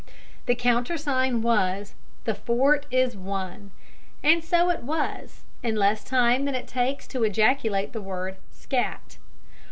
The countersign was, "The fort is won," and so it was, in less time than it takes to ejaculate the word "scat!"